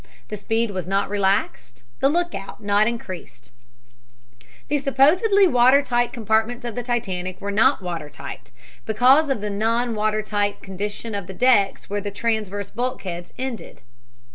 The speed was not relaxed, the lookout was not increased. The supposedly water tight compartments of the Titanic were not water tight, because of the non water tight condition of the decks where the transverse bulkheads ended.